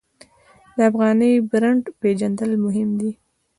د افغاني برنډ پیژندل مهم دي